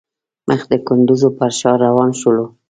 مخ د کندوز پر ښار روان شولو.